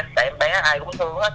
tại em bé ai cũng thương hết